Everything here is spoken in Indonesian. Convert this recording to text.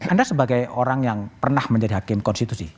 anda sebagai orang yang pernah menjadi hakim konstitusi